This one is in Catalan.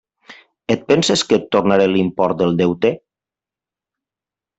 Et penses que et tornaré l'import del deute?